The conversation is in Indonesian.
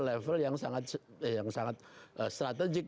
level yang sangat strategik